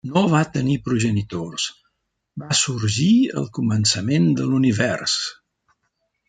No va tenir progenitors: va sorgir al començament de l'univers.